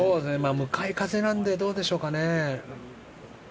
向かい風なのでどうでしょうかね。